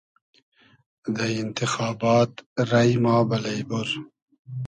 دۂ اینتیخابات رݷ ما بئلݷ بور